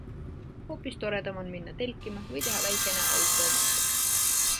Hoopis toredam on minna telkima või teha väikene automatk.